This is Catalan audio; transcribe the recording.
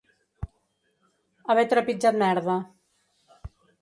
Haver trepitjat merda.